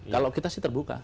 kalau kita sih terbuka